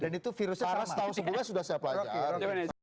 dan itu virusnya setahun sebelumnya sudah siap pelajar